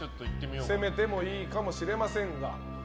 攻めてもいいかもしれませんが。